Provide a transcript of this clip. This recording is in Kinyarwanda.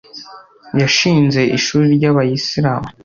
yashinze ishuri ry'abayisilamu